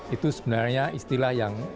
itu sebenarnya istilah yang